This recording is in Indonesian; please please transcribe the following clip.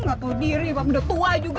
nggak tau diri udah tua juga